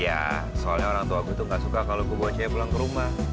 ya soalnya orang tua gue tuh gak suka kalau gue bawa cewek pulang ke rumah